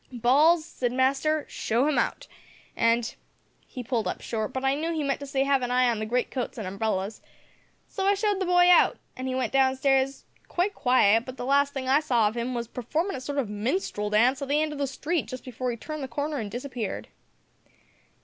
"`Balls,' said master, `show him out, and ' he pulled up short, but I knew he meant to say have an eye on the great coats and umbrellas, so I showed the boy out, an' he went down stairs, quite quiet, but the last thing I saw of him was performin' a sort of minstrel dance at the end of the street just before he turned the corner and disappeared."